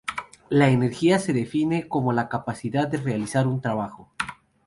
La energía se define como la capacidad de realizar un trabajo.